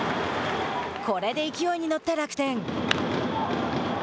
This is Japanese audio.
これで勢いに乗った楽天。